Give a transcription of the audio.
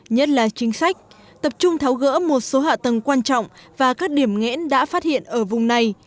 nhất là chính sách tập trung tháo gỡ một số hạ tầng quan trọng và các điểm nghẽn đã phát hiện ở vùng này